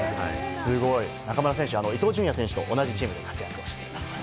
中村敬斗選手、伊東純也選手と同じチームで活躍しています。